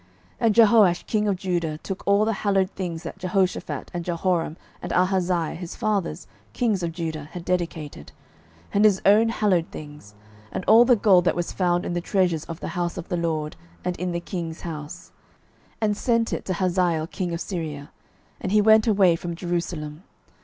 12:012:018 And Jehoash king of Judah took all the hallowed things that Jehoshaphat, and Jehoram, and Ahaziah, his fathers, kings of Judah, had dedicated, and his own hallowed things, and all the gold that was found in the treasures of the house of the LORD, and in the king's house, and sent it to Hazael king of Syria: and he went away from Jerusalem.